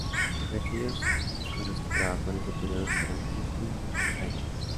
Entre aquellos con los que trabajó en ese período figuran Justin Hayward.